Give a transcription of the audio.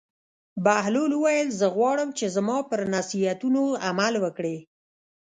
بهلول وویل: زه غواړم چې زما پر نصیحتونو عمل وکړې.